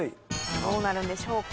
どうなるんでしょうか？